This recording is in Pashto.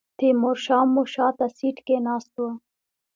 تیمور شاه مو شاته سیټ کې ناست و.